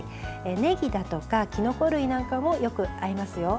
ねぎだとか、きのこ類なんかもよく合いますよ。